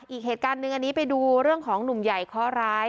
อีกเหตุการณ์หนึ่งอันนี้ไปดูเรื่องของหนุ่มใหญ่ข้อร้าย